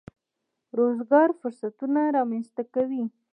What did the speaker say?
د روزګار فرصتونه رامنځته کوي.